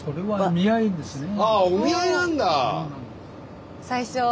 お見合いなんだ？